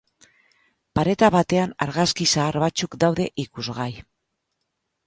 Pareta batean argazki zahar batzuk daude ikusgai.